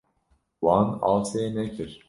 Wan asê nekir.